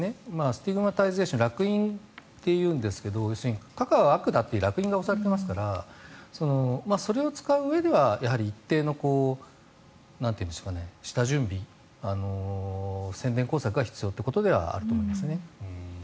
スティグマタイゼーション烙印というんですが核は悪だという烙印が押されていますからそれを使ううえでは一定の下準備宣伝工作が必要であるということだと思います。